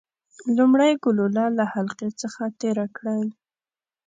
لومړی ګلوله له حلقې څخه تیره کړئ.